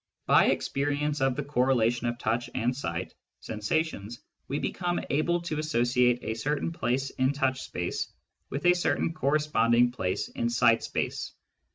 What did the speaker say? By experience of the correlation of touch and sight sensations, we become able to associate a certain place in touch space with a certain corresponding place in sight space.